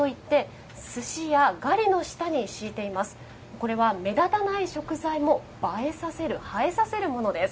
これは目立たない食材も映えさせる映えさせるものです。